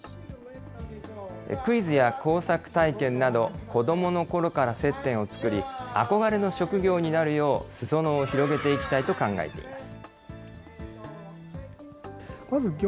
クイズや工作体験など、子どものころから接点を作り、憧れの職業になるよう、すそ野を広げていきたいと考えています。